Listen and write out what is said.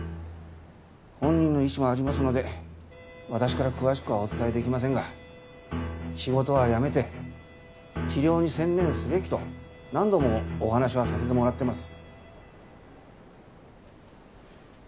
本人の意思もありますので私から詳しくはお伝えできませんが仕事は辞めて治療に専念すべきと何度もお話はさせてもらってます。